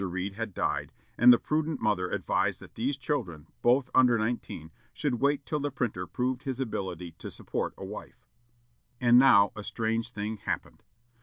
Read had died, and the prudent mother advised that these children, both under nineteen, should wait till the printer proved his ability to support a wife. And now a strange thing happened.